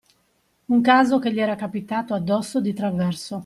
Un caso che gli era capitato addosso di traverso